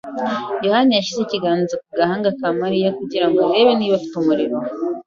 yohani yashyize ikiganza ku gahanga ka Mariya kugira ngo arebe niba afite umuriro.